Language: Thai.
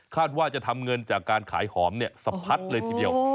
ว่าจะทำเงินจากการขายหอมสะพัดเลยทีเดียว